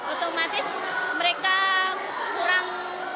otomatis mereka kurang